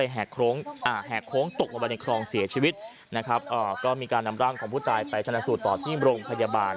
แหกโครงอ่าแหกโครงตกมาบนในครองเสียชีวิตนะครับอ่าก็มีการนำร่างของผู้ตายไปทันสุดต่อที่โรงพยาบาล